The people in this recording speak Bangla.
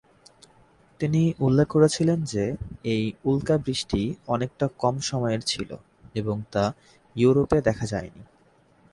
তিনি উল্লেখ করেছিলেন যে, এই উল্কা বৃষ্টি অনেকটা কম সময়ের ছিল এবং তা ইউরোপ এ দেখা যায়নি।